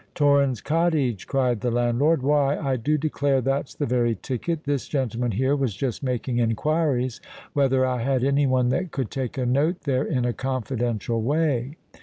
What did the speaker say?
"Torrens Cottage!" cried the landlord. "Why, I do declare that's the very ticket. This gentleman here was just making inquiries whether I had any one that could take a note there in a confidential way."